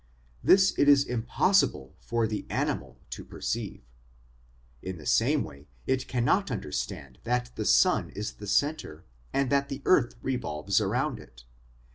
This it is impossible for the animal to perceive. In the same way, it cannot under stand that the sun is the centre and that the earth revolves around it.